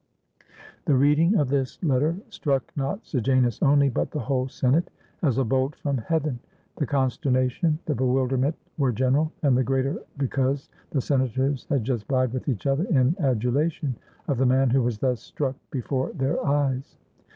The reading of this letter struck not Sejanus only, but the whole Senate as a bolt from heaven. The consterna tion, the bewilderment were general, and the greater because the senators had just vied with each other in adulation of the man who was thus struck before their eyes.